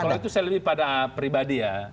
kalau itu saya lebih pada pribadi ya